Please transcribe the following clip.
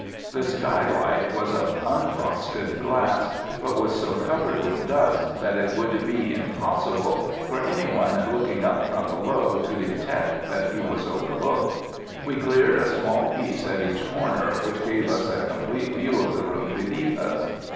The skylight was of unfrosted glass, but was so covered with dust that it would be impossible for any one looking up from below to detect that he was overlooked. We cleared a small piece at each corner, which gave us a complete view of the room beneath us.